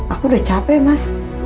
aku udah capek mas